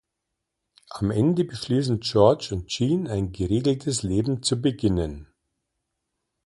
Am Ende beschließen George und Jean, ein geregeltes Leben zu beginnen.